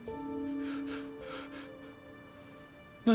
何？